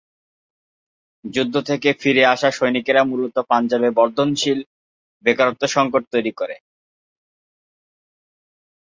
যুদ্ধ থেকে ফিরে আসা সৈনিকরা মূলত পাঞ্জাবে বর্ধনশীল বেকারত্ব সংকট তৈরি করে।